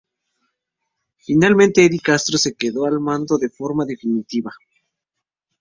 Finalmente Eddie Castro se quedó al mando de forma definitiva.